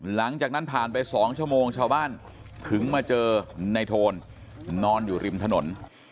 หลังจากนั้นผ่านไป๒ชั่วโมงชาวบ้านถึงมาเจอในโทนนอนอยู่ริมถนน